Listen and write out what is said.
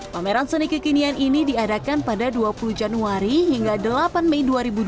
pameran seni kekinian ini diadakan pada dua puluh januari hingga delapan mei dua ribu dua puluh